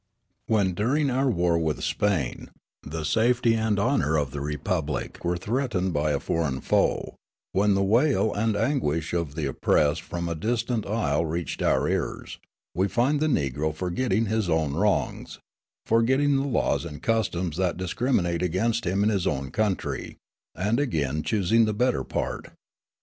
When, during our war with Spain, the safety and honour of the Republic were threatened by a foreign foe, when the wail and anguish of the oppressed from a distant isle reached our ears, we find the Negro forgetting his own wrongs, forgetting the laws and customs that discriminate against him in his own country, and again choosing the better part.